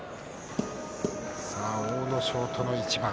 阿武咲との一番。